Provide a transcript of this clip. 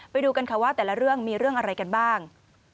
ไปดูกันค่ะว่าแต่ละเรื่องมีเรื่องอะไรกันบ้าง